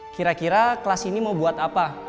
kira kira kelas ini mau buat apa